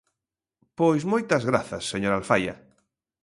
Pois moitas grazas, señora Alfaia.